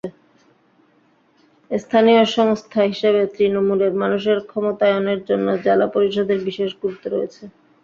স্থানীয় সংস্থা হিসেবে তৃণমূলের মানুষের ক্ষমতায়নের জন্য জেলা পরিষদের বিশেষ গুরুত্ব রয়েছে।